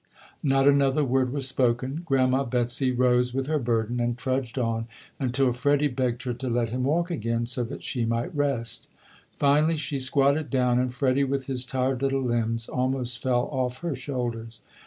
Not another word was spoken. Grandma Betsy rose with her burden and trudged on until Freddie begged her to let him walk again so that she might rest. Finally she squatted down, and Freddie with his tired little limbs almost fell off her shoulders.